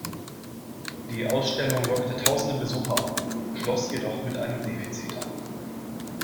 Die Ausstellung lockte tausende Besucher an, schloss jedoch mit einem Defizit ab.